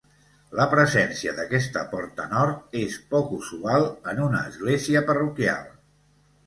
La presència d'aquesta porta nord és poc usual en una església parroquial.